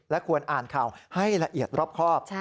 ควรอ่านข่าวให้ละเอียดรอบครอบ